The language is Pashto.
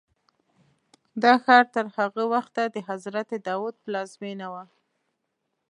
دا ښار تر هغه وخته د حضرت داود پلازمینه وه.